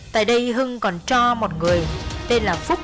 tại đây hưng còn cho một người tên là phúc